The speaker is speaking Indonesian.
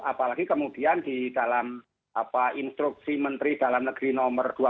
apalagi kemudian di dalam instruksi menteri dalam negeri nomor dua puluh